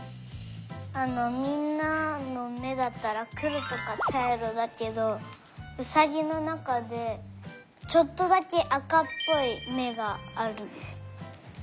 あのみんなのめだったらくろとかちゃいろだけどうさぎのなかでちょっとだけあかっぽいめがあるんです。